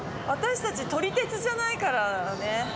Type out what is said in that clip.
私たち撮り鉄じゃないからね。